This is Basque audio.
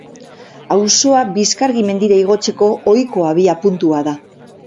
Auzoa Bizkargi mendira igotzeko ohiko abiapuntua da.